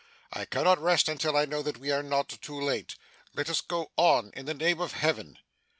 I cannot rest until I know that we are not too late. Let us go on, in the name of Heaven!